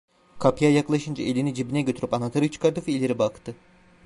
Kapıya yaklaşınca elini cebine götürüp anahtarı çıkardı ve ileriye baktı.